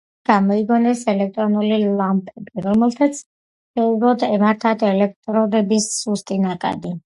მეცნიერებმა გამოიგონეს ელექტრონული ლამპები, რომელთაც შეეძლოთ ემართათ ელექტროდების სუსტი ნაკადი.